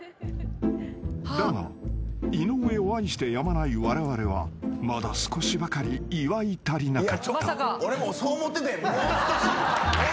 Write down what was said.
［だが井上を愛してやまないわれわれはまだ少しばかり祝い足りなかった］